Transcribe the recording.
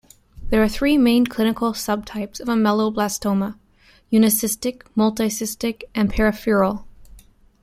There are three main clinical subtypes of ameloblastoma: unicystic, multicystic, peripheral.